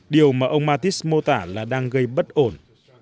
điều mà ông mattis mô tả là đang gây bất ổn